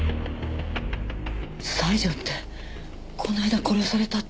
西條ってこの間殺されたっていう。